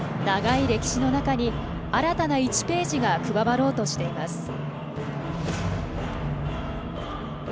長い歴史の中に新たな１ページが加わろうとしています。